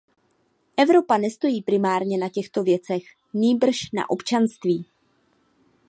Evropa nestojí primárně na těchto věcech, nýbrž na občanství.